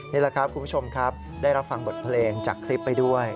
นี่แหละครับคุณผู้ชมครับได้รับฟังบทเพลงจากคลิปไปด้วย